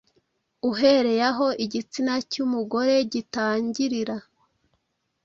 uhereye aho igitsina cy’umugore gitangirira